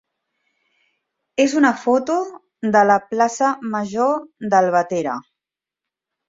és una foto de la plaça major d'Albatera.